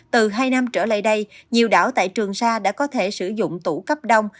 từ hai năm trở lại đây nhiều đảo tại trường sa đã có thể sử dụng tủ cấp đông